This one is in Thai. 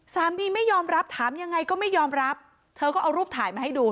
ไม่ยอมรับถามยังไงก็ไม่ยอมรับเธอก็เอารูปถ่ายมาให้ดู